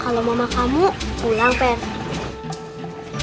kalau mama kamu pulang pen